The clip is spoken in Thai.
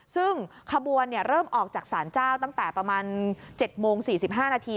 ซึ่งขบวนเริ่มออกจากสารเจ้าตั้งแต่ประมาณ๗โมง๔๕นาที